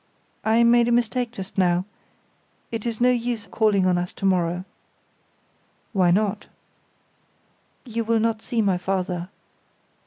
"I made a mistake just now; it is no use your calling on us to morrow." "Why not?" "You will not see my father."